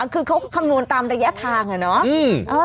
คือเขาคำนวณตามระยะทางอะเนาะ